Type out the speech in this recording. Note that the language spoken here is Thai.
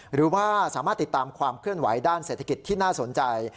หรือว่าสามารถติดตามความเคลื่อนไหวด้านเศรษฐกิจที่น่าสนใจ